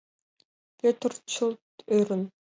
Пӧтыр чылт ӧрын.